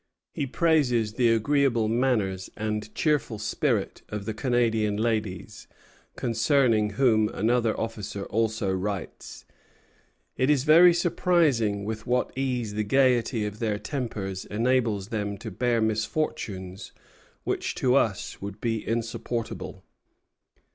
He praises the agreeable manners and cheerful spirit of the Canadian ladies, concerning whom another officer also writes: "It is very surprising with what ease the gayety of their tempers enables them to bear misfortunes which to us would be insupportable.